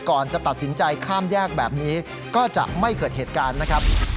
ก่อนจะตัดสินใจข้ามแยกแบบนี้ก็จะไม่เกิดเหตุการณ์นะครับ